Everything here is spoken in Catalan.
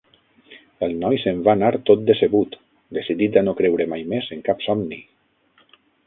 El noi se'n va anar tot decebut, decidit a no creure mai més en cap somni.